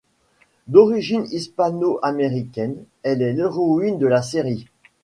D'origine hispano-américaine, elle est l'héroïne de la série.